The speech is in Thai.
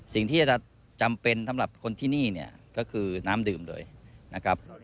สิ่งที่จะจำเป็นสำหรับคนที่นี่เนี่ยก็คือน้ำดื่มเลยนะครับ